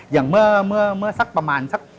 อย่างเมื่อสักประมาณสัก